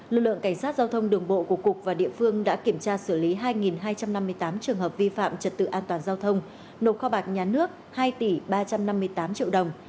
lực lượng cảnh sát giao thông đường bộ của cục và địa phương đã kiểm tra xử lý hai hai trăm năm mươi tám trường hợp vi phạm trật tự an toàn giao thông nộp kho bạc nhà nước hai tỷ ba trăm năm mươi tám triệu đồng